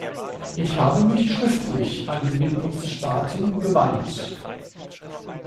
Ich habe mich schriftlich an die Mitgliedstaaten gewandt.